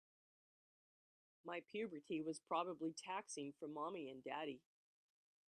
My puberty was probably taxing for mommy and daddy.